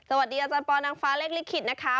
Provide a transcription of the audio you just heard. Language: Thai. สวัสดีจัดปอลนังฟ้าเลขลิขุดนะคะ